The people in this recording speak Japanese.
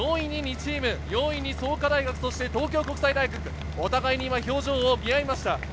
今４位に２人チーム、４位に創価大、東京国際大学、お互いに表情を見合いました。